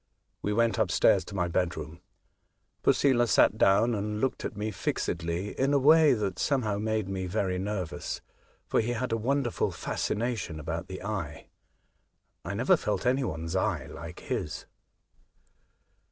We went upstairs to my bedroom. Posela sat down and looked at me fixedly, in a way that somehow made me very nervous, for he had a wonderful fascination about the eye. I never felt any one's eye like his.